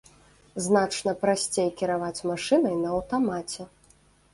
Значна прасцей кіраваць машынай на аўтамаце.